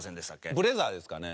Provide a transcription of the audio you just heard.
ブレザーですかね